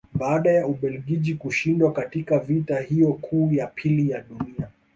Baada ya Ubelgiji kushindwa katika vita hiyo kuu ya pili ya Dunia